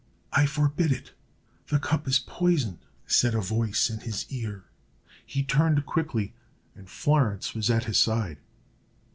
"I forbid it; the cup is poisoned!" said a voice in his ear. He turned quickly, and Florence was at his side.